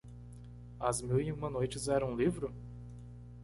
As mil e uma noites era um livro?